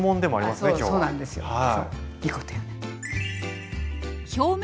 いいこと言うね。